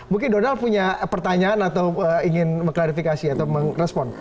mungkin donald punya pertanyaan atau ingin mengklarifikasi atau merespon